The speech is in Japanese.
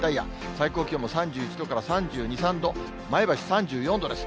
最高気温も３１度から３２、３度、前橋３４度です。